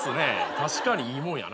確かにいいもんやな。